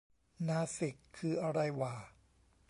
นาสิกคืออะไรหว่า